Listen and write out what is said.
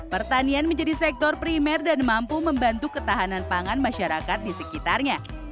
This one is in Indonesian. pertanian menjadi sektor primer dan mampu membantu ketahanan pangan masyarakat di sekitarnya